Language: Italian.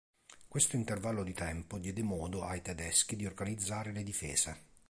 Questo intervallo di tempo diede modo ai tedeschi di organizzare le difese.